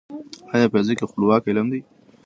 ايا فزيک يو خپلواک علم دی؟